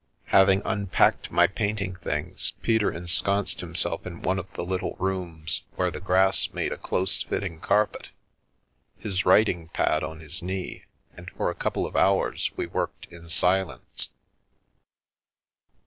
Having unpacked my painting things, Peter ensconced himself in one of the little " rooms," where the grass made a close fitting carpet, his writing pad on his knee, and for a couple of hours we worked in silence.